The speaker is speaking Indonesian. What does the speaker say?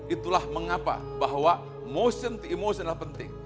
itulah mengapa bahwa motion team emotion adalah penting